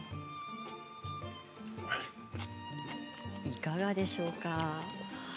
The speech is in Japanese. いかがでしょうか？